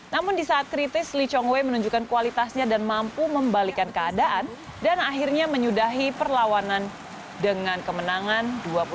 namun di saat kritis lee chong wei menunjukkan kualitasnya dan mampu membalikan keadaan dan akhirnya menyudahi perlawanan dengan kemenangan dua puluh satu